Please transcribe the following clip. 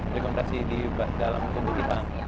dekompresi di dalam tubuh kita